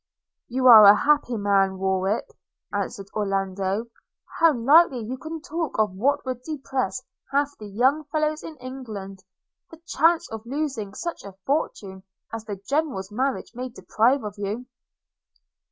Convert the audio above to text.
'You are a happy man, Warwick,' answered Orlando: 'How lightly you can talk of what would depress half the young fellows in England – the chance of losing such a fortune as the General's marriage may deprive you of!'